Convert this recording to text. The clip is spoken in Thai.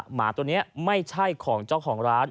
หมาตัวนี้ไม่ใช่ของเจ้าของร้าน